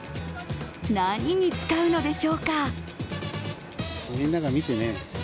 何に使うのでしょうか。